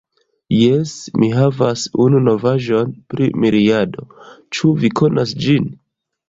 Jes, mi havas unu novaĵon pri Miriado. Ĉu vi konas ĝin?